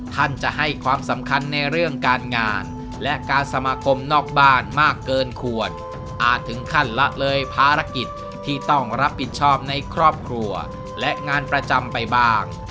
ท่านจะให้ความสำคัญในเรื่องการงานและการสมาคมนอกบ้านมากเกินควรอาจถึงขั้นละเลยภารกิจที่ต้องรับผิดชอบในครอบครัวและงานประจำไปบ้าง